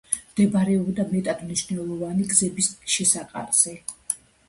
მდებარეობდა მეტად მნიშვნელოვანი გზების შესაყარზე.